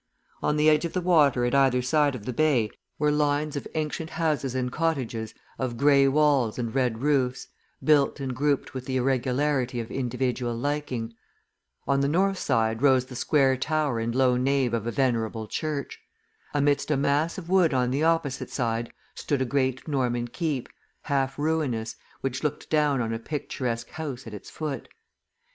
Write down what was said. On the edge of the water at either side of the bay were lines of ancient houses and cottages of grey walls and red roofs, built and grouped with the irregularity of individual liking; on the north side rose the square tower and low nave of a venerable church; amidst a mass of wood on the opposite side stood a great Norman keep, half ruinous, which looked down on a picturesque house at its foot.